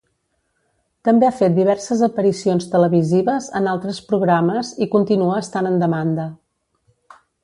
També ha fet diverses aparicions televisives en altres programes i continua estant en demanda.